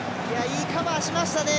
いいカバーしましたね。